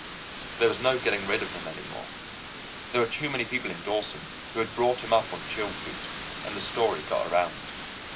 There was no getting rid of him any more. There were too many people in Dawson who had bought him up on Chilcoot, and the story got around.